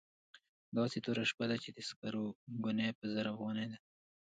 داسې توره شپه ده چې د سکرو ګونۍ په زر افغانۍ ده.